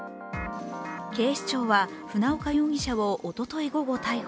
警視庁は船岡容疑者をおととい午後、逮捕。